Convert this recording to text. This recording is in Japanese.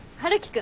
君？